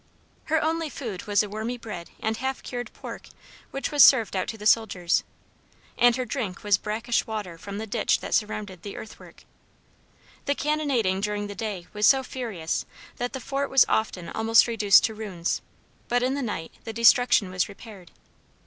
Her only food was the wormy bread and half cured pork which was served out to the soldiers, and her drink was brackish water from the ditch that surrounded the earth work. The cannonading during the day was so furious that the fort was often almost reduced to ruins, but in the night the destruction was repaired.